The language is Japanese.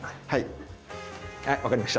はい分かりました。